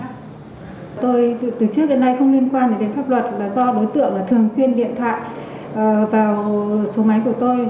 tôi từ trước đến nay không liên quan đến pháp luật và do đối tượng thường xuyên điện thoại vào số máy của tôi